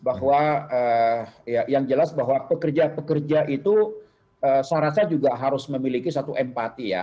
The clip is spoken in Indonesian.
bahwa yang jelas bahwa pekerja pekerja itu saya rasa juga harus memiliki satu empati ya